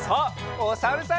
おさるさん。